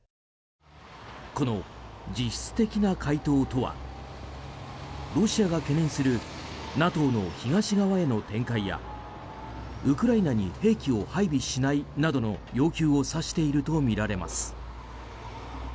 この実質的な回答とはロシアが懸念するＮＡＴＯの東側への展開やウクライナに兵器を配備しないなどの要求を指しているとみられます。